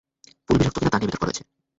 ফুল বিষাক্ত কিনা তা নিয়ে বিতর্ক রয়েছে।